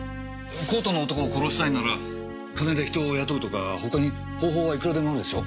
コートの男を殺したいなら金で人を雇うとか他に方法はいくらでもあるでしょ？